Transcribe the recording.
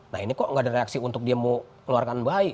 nah ini kok nggak ada reaksi untuk dia mau keluarkan baik